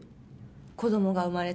子供が生まれて。